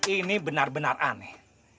ini benar benar aneh